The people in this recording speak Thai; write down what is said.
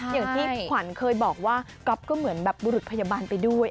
อย่างที่ขวัญเคยบอกว่าก๊อฟก็เหมือนแบบบุรุษพยาบาลไปด้วย